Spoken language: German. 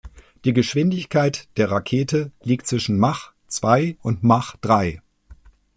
Die Geschwindigkeit der Rakete liegt zwischen Mach zwei und Mach drei.